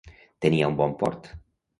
Tenia un bon port.